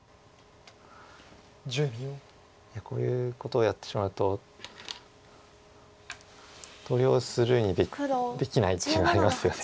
いやこういうことをやってしまうと投了するにできないっていうのありますよね